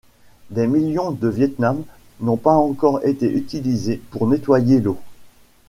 Des millions de Vietnam n’ont pas encore été utilisé pour nettoyer l'eau.